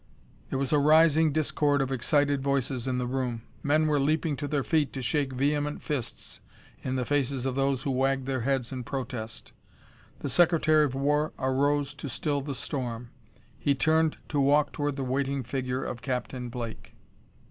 There was a rising discord of excited voices in the room. Men were leaping to their feet to shake vehement fists in the faces of those who wagged their heads in protest. The Secretary of War arose to still the storm. He turned to walk toward the waiting figure of Captain Blake.